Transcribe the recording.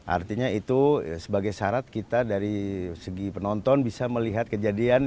artinya itu sebagai syarat kita dari segi penonton bisa melihat kejadian